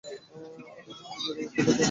আমি যাহা, নিম্নতম কীটও তো তাহা।